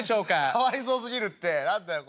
「かわいそうすぎるって何だよこれ」。